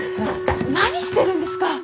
何してるんですか！